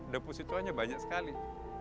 deposito nya banyak sekali